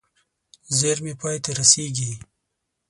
زېرمې پای ته رسېږي.